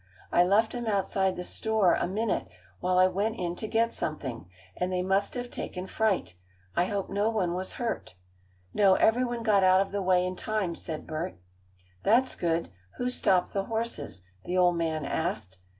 I left 'em outside the store a minute while I went in to get something, and they must have taken fright. I hope no one was hurt." "No, everyone got out of the way in time," said Bert. "That's good. Who stopped the horses?" the old man asked.